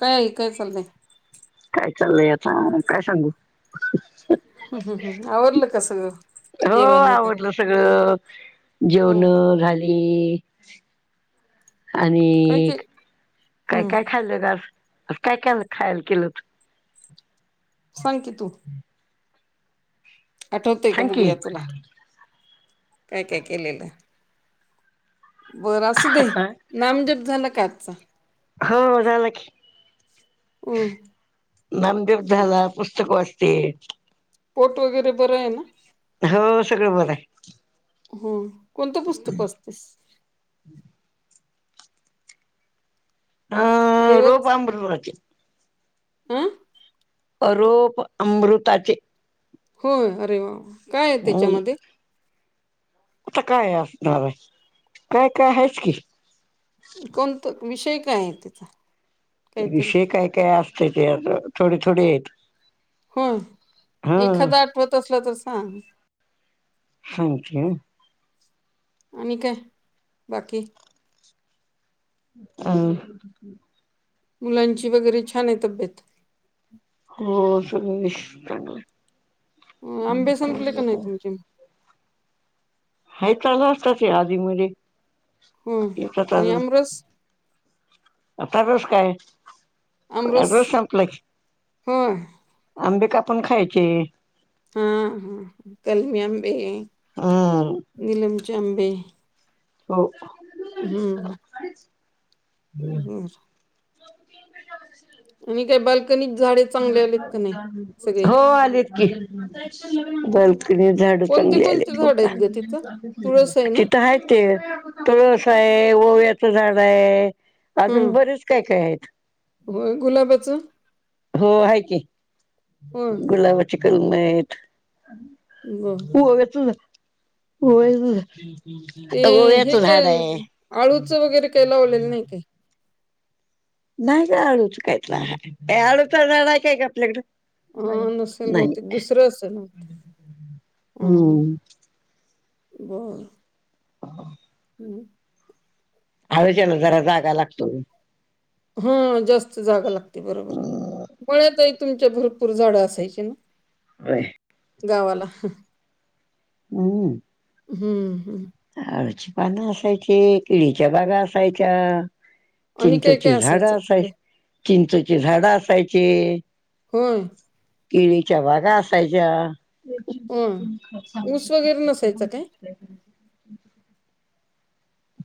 काय चाललं? काय सांगू आता काय चाललंय ते. आवरलं का सगळं. हो जेवण वगैरे आवरलं सगळं, जेवण हम्म झाली. काय आणि काय काय हम्म काय खाल्लं ग आज आज केलं होतं खायला. सांग की तू. आठवतंय काय सांग की बघूया तुला तुला काय काय केलेलं. बरं असू दे नामजप झाल का आचा. हो झाला की हम्म नामदेव झाला पुस्तक वाच ते पोट वगैरे बरं हाय ना! हो सगळं बर हाय. हम्म! कोणतं पुस्तक वाचतीस. हम्म [unintelligible] अ रोपां [unintelligible] अ. रोप अमृताचे. हो, अरे वा! का काय त्याच्यामध्ये. आता काय असणार आहे. काय काय आहेच की. कोणता विषय आहे. त्यांचा विषय काय काय असते त्यात, थोडे - थोडे आहेत. हो. हा एखादा आठवत असेल. तर सांग. हा हॉकी आणि काय बाकी. ह. मुलांची वगैरे छान आहे तब्येत. हो सगळे चांगल. आंबे संपले. का तुमचे. चालू असत. आधी मधी. होय आणि आमरस? आता कस काय रस संपला की अमृतसर आंबे कापून खायचे. हं कलमी आंबे, हम्म नीलम चे आंबे हो. हं. ओ गप्प बसा [inaudible] आणि काय बाल्कनीत झाडे चांगले आलेत का नाही सगळे? हो आली की. बालकनी मध्ये झाडे कोणते चांगली आली कोणते झाड आहेत गं तिथं? तुळस ना? आहे. तुळशी आहे. ओव्याचे झाडे अजून बरेच काय काय झाडे. आहे. हो गुलाबाचं. हो आहे की, होय गुलाबाची कलम आहेत, बरं ओवाचे ओव्याच ते आता हे ओव्याचं झाड काय आहे. आळूचं वगैरे काही लावलेलं नाही काही, नाही का आळूच कायच आळूचा जाडा काय का आपल्याकडं हा नसेल बहतेिक दुसरं असेल हम हम्म. बर ह हम् आळुच्याला जरा जागा लागतो. हा जास्त जागा लागते बरोबर आहे, हम्म, बळ्यातई तुमच्यातभरपूर झाडं असायची ना. होय. गावाला हम् हम्म हम्म आळूची पानं असायची केळीच्या बागा असायच्या. आणि काय काय चिंचेची झाड असायचं असाय, तिकडे चिंचेची झाड असायचे. होय. केळीच्या बागा असायच्या. होय ऊस वगैरे नसायचा काय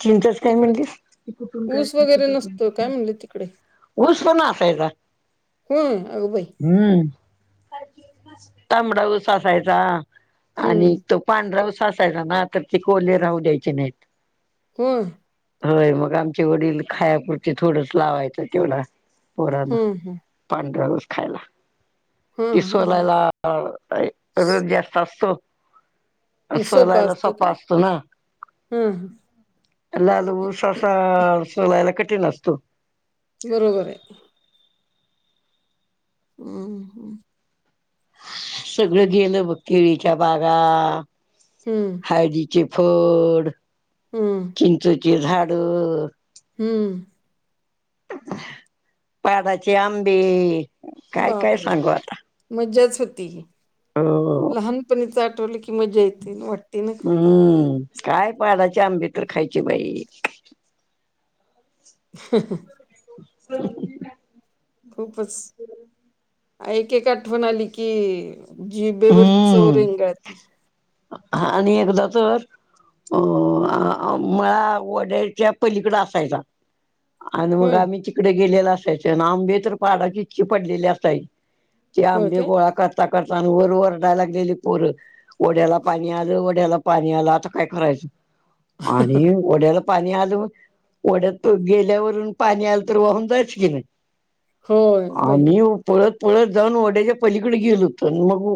चिंचेचे काय तिकडे म्हटलीस. ते कुठून ऊस खात वगैरे नसतो काय होतो. म्हणले तिकडे ऊस पण असायचा. हो अग बाई. ताबडा ऊस असायचा. हम्म पांढराव ससायचा ना आ तर ते कोले राहू द्यायचे नाहीत. होय. होय मग आमचे वडील खायापुरती थोडंच लावायचं तेवढ पोरानं हं हं पांढरा ऊस खायला हं ती हं हं सोलायला ह रोज जास्त असतो, हं सोलायला सोपा असतो ना हा हां लाल ऊस अस सोलायला कठीण असतो. बरोबर आहे. ह सगळं गेलं बघ केळीच्या बागा हम्म हळदीचे फड हम्म चिंचेचे झाड हम्म पाडाचे आंबे काय काय बापरे सांगू आता मज्जाच होती. हो लहानपणीच आठवलं की, मजा येते वाटते ना खूप हम्म काय पाडाचे आंबे तर खायची बाई ह हो खूपच एक एक आठवण आली की जिबेवर चव रेंगाळती. हा आणि एकदा तर मळा वड्याच्या पलीकड असायचा. आणि मग होय, आम्ही तिकडे गेलेला असायच आंबे तर पाडाची इतकीपडलेली असायची. की होय आंबी काय? गोळा करता करता आणि वर वरडायला गेली पोरं ओढ्याला पाणी आलं ओड्याला पाणी आलं आता काय करायचं आणि ओढ्याला पाणी आलं ओढ्यात गेल्यावरून पाणी आलं तर वाहून जायचं की नाही. होय बाई आम्ही पळत पळत जाऊन वड्याच्या पलीकडे गेल होतं मग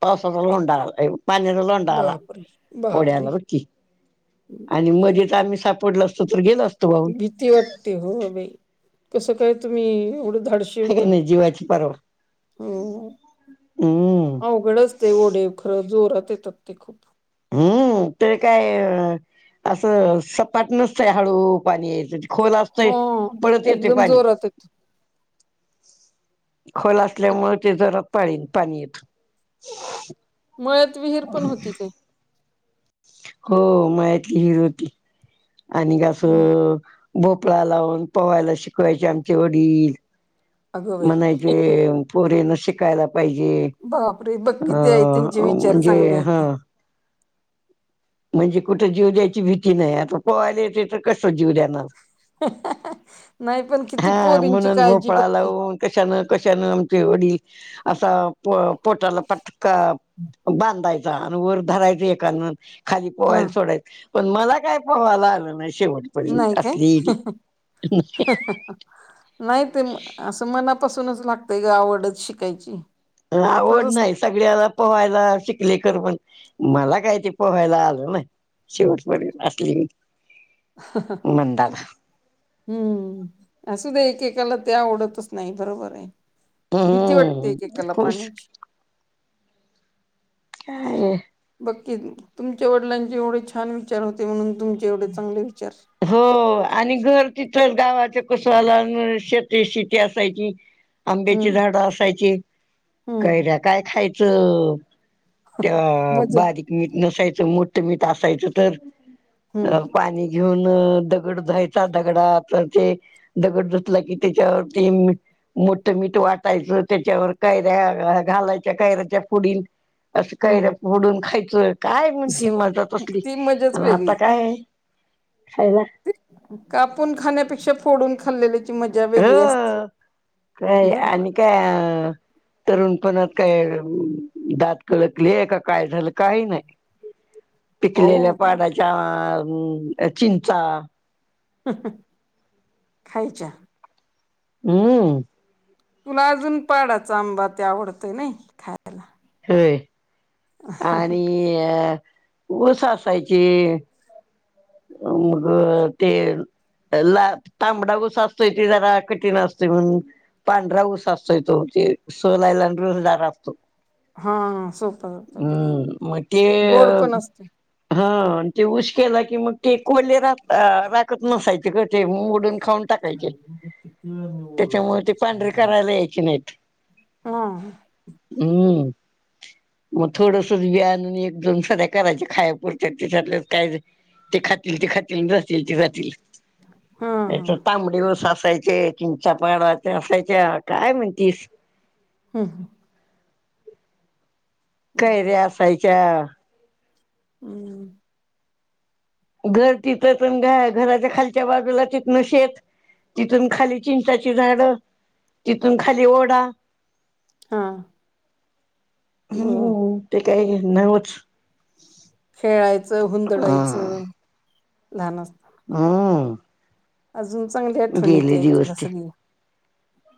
पावसाचा लोंडा आला पाण्याचा लोंडा आला बापरे! बापरे! ओढ्यालाकी आणि मधच आम्ही सापडल त्र गेलं असत भीती वाटते हो बाई कसं काय तुम्ही एवढं धाडश हाय का नाही जीवाची परवा हम्म अवघडच ते ओढे खरं जोरात येतात ते खूप हम्म तर काय असं सपाट नसतय हळू पाणी याच खला असत हां, पडत ते येते एकदम पाणी जोरात येतात. खोल असल्यामुळे ते जरात पाळीन पाणी येथ मुळ्यात विहीर पण होती काय हो मातली हिर होती आणि हं. असं भोपळा लावून पवयला शिकवायचे आमचे वडील अगं बाई! म्हणाय जे पोरीन शिकायला पाहिजे बापरे! बघ अ किती आहे त्यांचे विचार म्हणजे चांगले हा होते. म्हणजे कुठं जीव द्यायची भीती नाही आता पो आले ते तर कसं जीव देणार नाही पण किती हा पोरींची म्हणून काळजी बघ भोपळा की. लावून कशानं कशानं आमची होडी असा प पोटाला पटका बांधायचा आणि वर धरायच एकाने खाली हां, पोहायला सोडायत पण मला काय पोवायला आलं नाही शेवट नाही काय? असली एडी नाही ते असं मनापासूनच लागतय ग आवडत शिकायची आवड तरच नाही सगळ्याला पोहायला शिकले कर पण मला काय ते पोहायला आलं ना शेवटप असली [inaudible] [inaudible] मंदाला [inaudible] हम्म असु द एकेकाला ते आवडतच नाही बरोबर आहे भीती हम्म वाटते कला खुश पाण्याची का बक्की तुमच्या वडिलांचे एवढे छान विचार होते म्हणून तुमचे एवढे चांगले विचार हो आणि घर तिथंच गावाच्या कसला शेती शेती असायची [inaudible] आंब्याची झाडं असायची हम्म कैऱ्या काय खायचं त्या मजा बारीक मीठ नसायचं मोठं मीठ असायचं तर अ हम्म पाणी घेऊन दगड जायचा दगडा तर ते दगड झतला की त्याच्यावरती मीठ वाटायचं त्याच्यावर कैऱ्या घालायच्या कैऱ्याच्या पुढील असं कैऱ्या हम्म मोडून खायचं काय म्हणती मजा तसली ती मजाच आणि आता वेगळी काय आहे. खा हे ला कापून खाण्यापेक्षा फोडून खाल्लेले ह का बरोबर आणि काय अ तरुण पणत काय दात कळकलीय का काय झालं काही नाही. हो पिकलेल्या बरोबर पाडाच्या चिंचा खायच्या. [unintelligible] हम्म. तुला अजून पाडाच आंबा ते आवडतय नाही खा होय आणि ऊस असायची मग ते ला तांबडाऊस असतोय ते जरा कठीण असते म्हण पांढरा ऊस असतोय तो ते सोलायला रुजणारार असतो. हा सोपं जात बरोबर हम्म मत्य गोड पण असत हा ते ऊस केला की मग ते कोले रात राखत नसायचे ग ते मोडून खाऊन टाकायचे. [inaudible] त्याच्यामुळे ते पांढरीे करायला यायची नाहीत. हम्म. हम्म. मग थोडसच व्या आण एक दोन सध्या करायच्या खायपुरच्या त्याच्यात काय ते खातील ते खातील जातील ते जातील हां, हां. तांबडी वूस असायचे किंचापाडाचे असायच्या काय म्हणतीस हम्म. कैऱ्या असायच्या हम्म [inaudible] घर तिथ पण घ घराच्या खालच्या बाजूला तिथन शेत तिथून खाली चिंचाची झाड तिथून खाली ओढा हा हम्म ते काय नावच खेळायचं हुंदडायचं लहान अस हम्म. अजून चांगली. आठवण गेले येते आई दिवस तुला ते सगळी.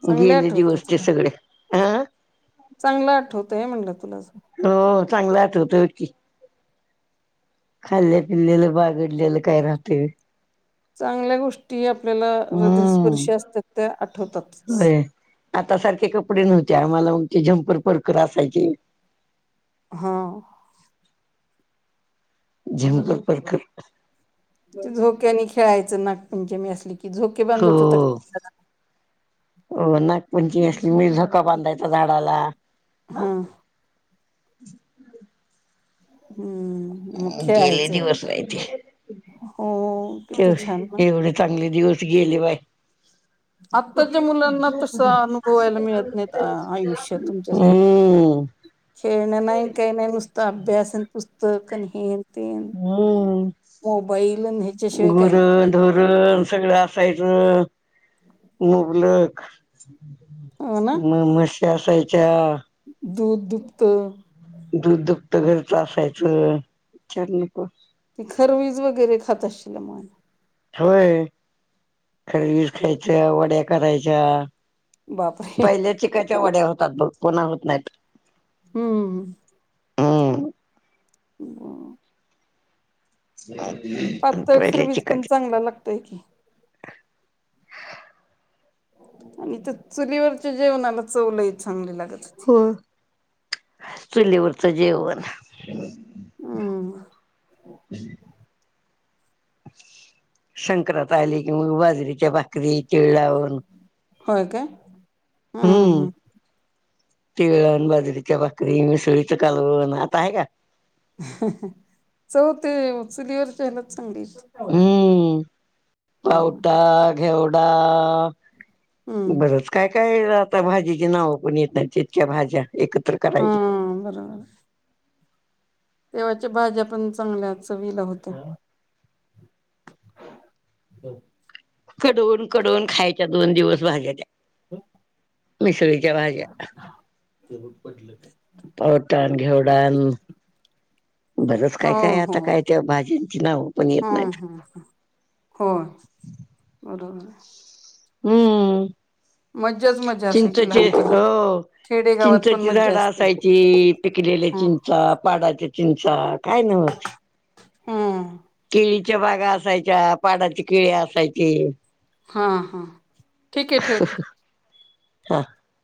चांगली गेले आठवतंय दिवस ते सगळे हा. चांगला आठवतय म्हणल तुला अस हो चांगला आठवतो वो की खाल्ल्या पिल्लेल बागडलेल काय राहतये व्हय? चांगल्या गोष्टी आपल्याला हम्म हृदयस्पर्शी असतात त्या आठवतातच होय आता सारखे कपडे नव्हते आम्हाला ते झम्पर परकर असायचे. हा. हं. झिमकर परकर [unintelligible] झोक्याने खेळायच नागपंचमी असली की झोके हो बांधत होत का हो नागपूंची असली मी झोका बांधायचा झाडाला हम्म. हम्म. गेले दिवस बाई ते हो, किती छान ना? तेव एवढे चांगले दिवस ती गेली बाय आत्ताच्या मुलांना तसा अनुभवायला मिळत हम्म. नाहीत आयुष्य [unintelligible] खेळण नाईन काही नाईन नस्त अभ्यासन पुस्तक न हेन हम्म मोबाईल अन ह्याच्याशिवाय काई नाई गुरं धोरण सगळ असायच मुबलक हो ना म म्हश असायच्या दूध दुपत दूध दपत घरच असायच विचारु नको ती खरवीज वगैरे खात अशी न म?? होय खरवीज खायच्या वड्या करायच्या बापरे पहिल्या चिकाच्या वड्या होतात बघ कोणा होत नाइत. हम्म हम्म हो ते पातळ पहिल्याची खरबीज पण कधी चांगला लागतोय की आणि त्या चुलीवरच्या जेवणाला चवलई चांगली लागती चुलीवरच जेवण हम्म [inaudible] संक्रांत आली कि मग बाजरीच्या भाकरी तिळ लावून होय का? हम्म तिळ अन बाजरीच्या भाकरी चव ते चुलीवरच्या ह्याला चांगली. हम्म हम्म पावटा, घेवडा हम्म बरंच काय काय आता भाजीची नावं पण येत नाही इतक्या भाज्या एकत्र करायच्या. हं बरोबर तेव्हाच्या भाज्या पण चांगल्या चविला होतं कडवून कडवून खायच्या दोन दिवस भाज्या हम मिसळक्या भाज्या ते बघ पडलं काय. पावटा अन, घेवडा अन, बरंच हो काय काय, हो आता काय त्या भाज्यांची नाव हा हा होय बरोबर ये हम्म मज्जाच मजा चिंच असायची चे लहानपणी हो खेडेगावात पण चिंचाची मज्जा झाड असते. असायची, पिकलेली हा चिंचा पाडाचे चिंचा काय ना म हं हं केळीच्या बागा असायच्या, पाडाची केळी असायची. हा हा ठीकये हा